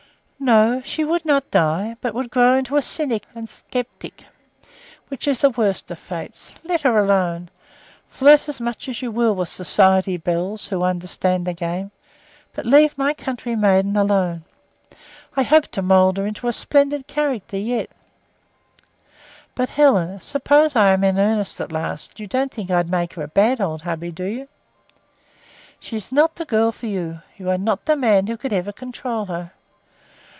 "No, she would not die, but would grow into a cynic and sceptic, which is the worst of fates. Let her alone. Flirt as much as you will with society belles who understand the game, but leave my country maiden alone. I hope to mould her into a splendid character yet." "But, Helen, supposing I am in earnest at last, you don't think I'd make her a bad old hubby, do you?" "She is not the girl for you. You are not the man who could ever control her.